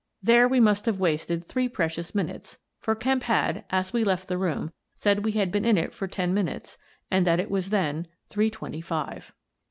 There we must have wasted 222 Miss Frances Baird, Detective three precious minutes, for Kemp had, as we left the room, said we had been in it for ten minutes and that it was then three twenty five.